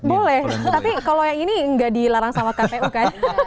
boleh tapi kalau yang ini nggak dilarang sama kpu kan